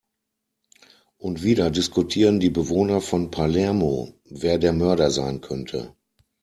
Und wieder diskutieren die Bewohner von Palermo, wer der Mörder sein könnte.